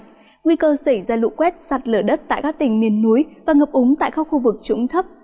nguy cơ xảy ra lũ quét sạt lở đất tại các tỉnh miền núi và ngập úng tại các khu vực trũng thấp